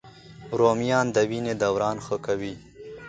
رومیان د وینې دوران ښه کوي